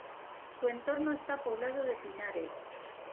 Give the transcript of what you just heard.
Su entorno está poblado de pinares.